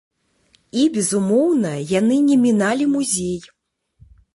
І, безумоўна, яны не міналі музей.